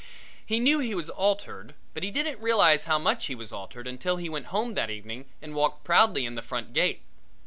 He knew he was altered, but he didn't realize how much he was altered until he went home that evening and walked proudly in the front gate.